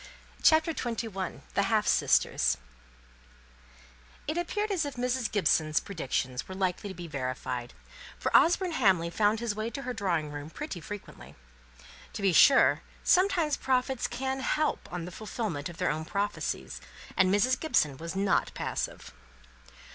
CHAPTER XXI. THE HALF SISTERS. [Illustration (untitled)] It appeared as if Mrs. Gibson's predictions were likely to be verified; for Osborne Hamley found his way to her drawing room pretty frequently. To be sure, sometimes prophets can help on the fulfilment of their own prophecies; and Mrs. Gibson was not passive.